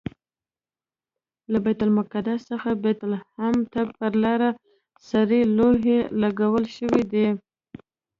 له بیت المقدس څخه بیت لحم ته پر لاره سرې لوحې لګول شوي دي.